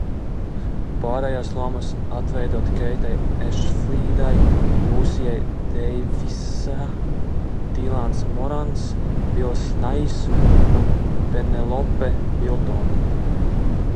Pārējās lomas atveido Keita Ešfīlda, Lūsija Deivisa, Dilans Morans, Bills Naijs un Penelope Viltone.